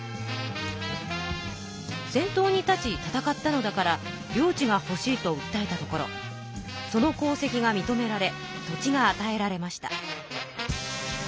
先頭に立ち戦ったのだから領地がほしいとうったえたところその功績がみとめられ土地があたえられました。